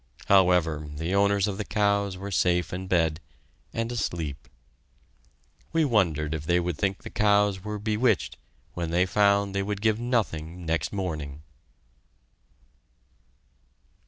However, the owners of the cows were safe in bed, and asleep. We wondered if they would think the cows were bewitched when they found they would give nothing next morning!